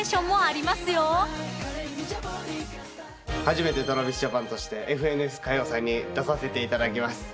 初めてＴｒａｖｉｓＪａｐａｎとして『ＦＮＳ歌謡祭』に出させていただきます。